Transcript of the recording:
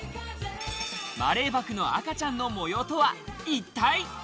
マレーバクの赤ちゃんの模様とは一体？